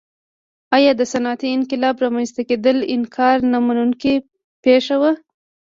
ایا د صنعتي انقلاب رامنځته کېدل انکار نه منونکې پېښه وه.